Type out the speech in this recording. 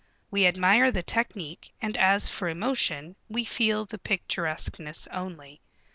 We admire the technique, and as for emotion, we feel the picturesqueness only.